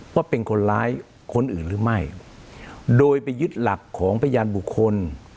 ว่าเป็นคนร้ายคนอื่นหรือไม่โดยไปยึดหลักของพยานบุคคล